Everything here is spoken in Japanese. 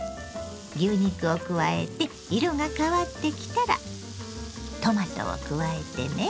牛肉を加えて色が変わってきたらトマトを加えてね。